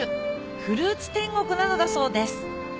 フルーツ天国なのだそうです